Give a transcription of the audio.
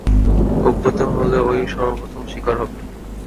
অভ্যুত্থান হলে অই সর্বপ্রথম শিকার হবে।